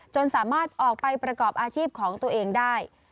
สามารถออกไปประกอบอาชีพของตัวเองได้